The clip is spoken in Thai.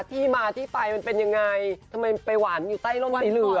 ที่มาที่ไปมันเป็นยังไงทำไมไปหวานอยู่ใต้ร่มสีเหลือง